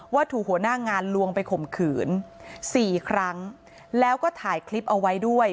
ถูกหัวหน้างานลวงไปข่มขืนสี่ครั้งแล้วก็ถ่ายคลิปเอาไว้ด้วย